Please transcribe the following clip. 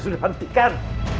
sudah sudah hentikan